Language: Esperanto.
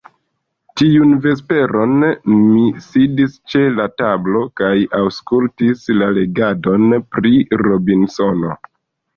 Tiun vesperon mi sidis ĉe la tablo kaj aŭskultis la legadon pri Robinsono.